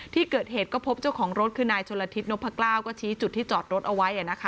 ที่เกิดเหตุก็พบเจ้าของรถคือนายชนละทิศนพกล้าวก็ชี้จุดที่จอดรถเอาไว้